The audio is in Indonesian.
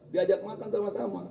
diajak makan sama sama